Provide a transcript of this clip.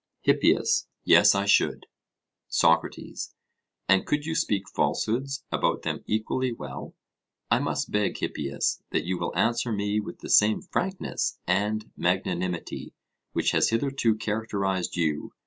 HIPPIAS: Yes, I should. SOCRATES: And could you speak falsehoods about them equally well? I must beg, Hippias, that you will answer me with the same frankness and magnanimity which has hitherto characterized you.